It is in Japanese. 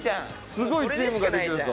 すごいチームができるぞ。